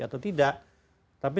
atau tidak tapi